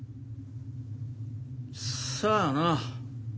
さあな。